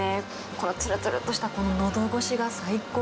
このつるつるっとしたのど越しが最高。